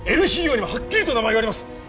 Ｌ資料にもはっきりと名前があります。